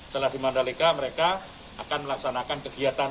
setelah di mandalika mereka akan melaksanakan kegiatan